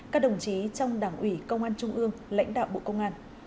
các đồng chí trong đảng ủy công an trung ương lãnh đạo bộ công an